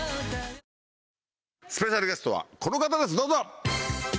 スペシャルゲストはこの方ですどうぞ。